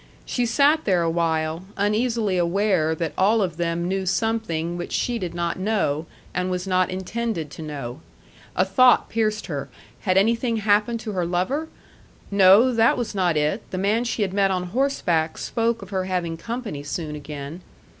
She sat there awhile, uneasily aware that all of them knew something which she did not know, and was not intended to know. A thought pierced her had anything happened to her lover? No; that was not it. The man she had met on horseback spoke of her having company soon again.